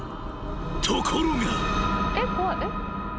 ［ところが］